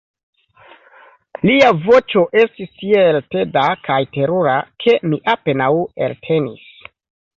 Lia voĉo estis tiel teda kaj terura ke mi apenaŭ eltenis.